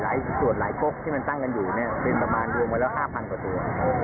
หลายส่วนหลายกรกที่มันตั้งกันอยู่เป็นประมาณรุ่นละ๕พลังเปลือ